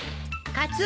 カツオ！